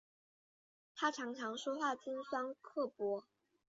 她常常说话尖酸刻薄